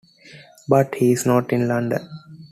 But he's not in London?